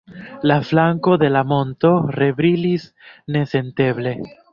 La flanko de la monto rebrilis nesenteble.